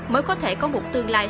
mới có thể có một tương lai